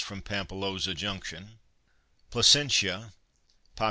from Pampilhosa Junction. PLASENCIA (pop.